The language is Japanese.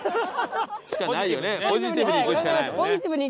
しかないよね。